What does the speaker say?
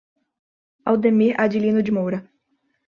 Aldemir Adilino de Moura